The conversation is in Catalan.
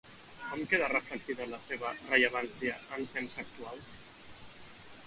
Com queda reflectida la seva rellevància en temps actuals?